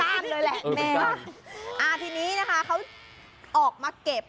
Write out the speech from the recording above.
เลยแหละแม่อ่าทีนี้นะคะเขาออกมาเก็บ